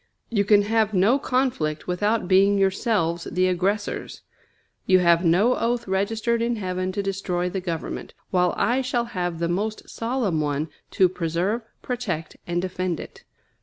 You can have no conflict without being yourselves the aggressors. You have no oath registered in heaven to destroy the Government, while I shall have the most solemn one to "preserve, protect, and defend" it.